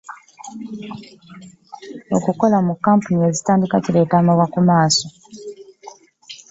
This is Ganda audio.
Okukolera mu kkampuni ezitabula eddagala kireeta amabwa go ku maaso.